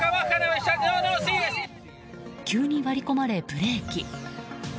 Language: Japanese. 急に割り込まれ、ブレーキ。